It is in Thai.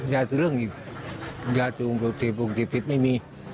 ยายสื่อเรื่องอีกยายสื่อวงปกติวงปกติติดไม่มี